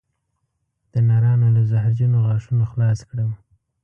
د نرانو له زهرجنو غاښونو خلاص کړم